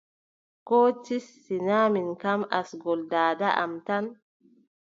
Koo tis, sinaa min kam asngol daada am tan.